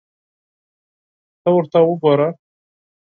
ته ورته وګوره !